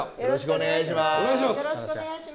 よろしくお願いします。